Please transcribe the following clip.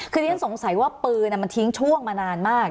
คือที่ฉันสงสัยว่าปืนมันทิ้งช่วงมานานมาก